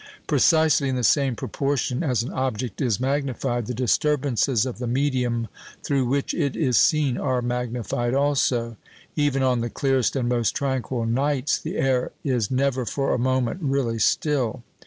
Precisely in the same proportion as an object is magnified, the disturbances of the medium through which it is seen are magnified also. Even on the clearest and most tranquil nights, the air is never for a moment really still.